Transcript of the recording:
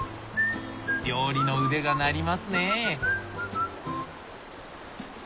料理の腕が鳴りますね。